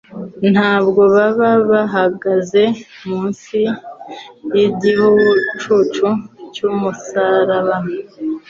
Ntabwo baba bahagaze munsi y'igicucu cy'umusaraba,